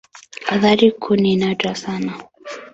Athari kuu ni nadra sana.